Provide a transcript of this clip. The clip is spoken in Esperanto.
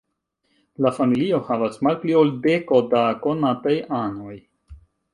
La familio havas malpli ol deko da konataj anoj.